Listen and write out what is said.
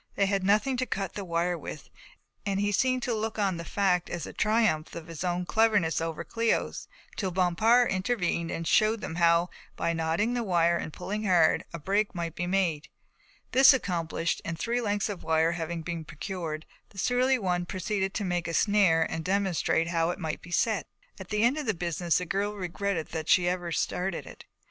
They had nothing to cut the wire with, and he seemed to look on the fact as a triumph of his own cleverness over Cléo's, till Bompard intervened and shewed how, by knotting the wire and pulling hard, a break might be made. This accomplished, and three lengths of wire having been procured, the surly one proceeded to make a snare and to demonstrate how it might be set. At the end of the business the girl regretted that she had ever started it.